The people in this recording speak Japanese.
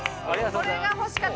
これが欲しかった。